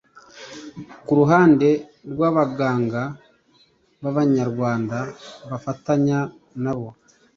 Ku ruhande rw’abaganga b’Abanyarwanda bafatanya nabo